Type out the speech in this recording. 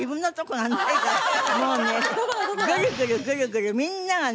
もうねぐるぐるぐるぐるみんながね。